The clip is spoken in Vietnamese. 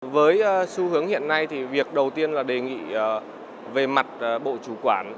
với xu hướng hiện nay thì việc đầu tiên là đề nghị về mặt bộ chủ quản